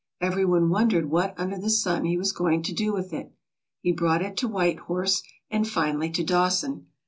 Everyone wondered what under the sun he was going to do with it. He brought it to White Horse and finally to Dawson.